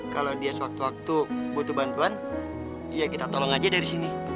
kalau dia sewaktu waktu butuh bantuan ya kita tolong aja dari sini